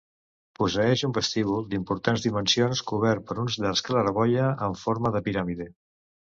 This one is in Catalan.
Posseeix un vestíbul d'importants dimensions cobert per uns llargs claraboia amb forma de piràmide.